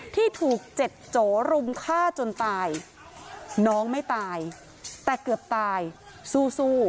ที่ถูกเจ็ดโจรุมฆ่าจนตายน้องไม่ตายแต่เกือบตายสู้